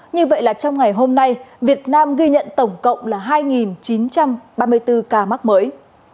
như vậy là trong ngày hôm nay việt nam ghi nhận tổng cộng là hai chín trăm ba mươi bốn ca mắc mới